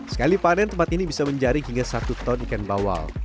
sekali panen tempat ini bisa menjaring hingga satu ton ikan bawal